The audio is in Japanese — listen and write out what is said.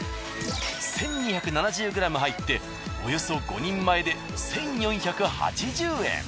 １２７０ｇ入っておよそ５人前で１４８０円。